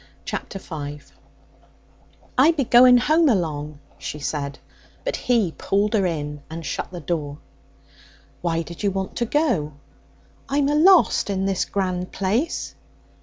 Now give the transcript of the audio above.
Chapter 5 'I be going home along,' she said, but he pulled her in and shut the door. 'Why did you want to go?' 'I'm alost in this grand place.'